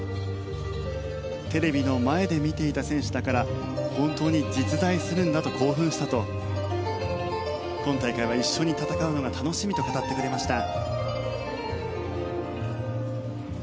テレビの前で見ていた選手だから本当に実在するんだと興奮したと今大会は一緒に戦うのが楽しみと語ってくれました。